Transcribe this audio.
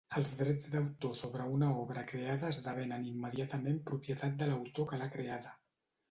Els drets d'autor sobre una obra creada esdevenen immediatament propietat de l'autor que l'ha creada.